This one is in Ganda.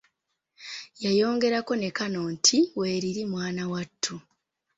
Yayongerako ne kano nti, weeriire mwana wattu!